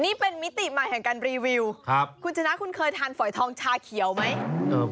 นี่เป็นมิติใหม่แห่งการรีวิวคุณชนะคุณเคยทานฝอยทองชาเขียวไหม